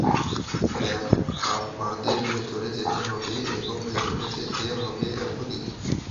Ma'am, আমাদের ভিতরে যেতে হবে এবং ভিতরে যেতে হবে এখনই।